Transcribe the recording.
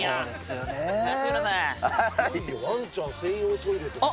ワンちゃん専用トイレとか。